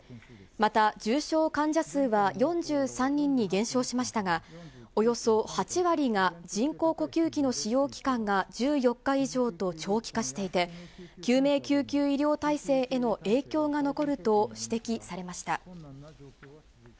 また、重症患者数は４３人に減少しましたが、およそ８割が人工呼吸器の使用期間が１４日以上と長期化していて、救命救急医療体制への影響が残ると指摘されました。